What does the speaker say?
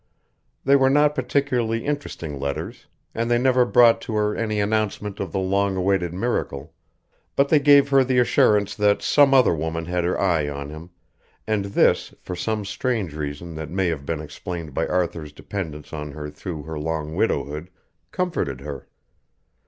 They were not particularly interesting letters, and they never brought to her any announcement of the long awaited miracle, but they gave her the assurance that some other woman had her eye on him, and this, for some strange reason that may have been explained by Arthur's dependence on her through her long widowhood, comforted her.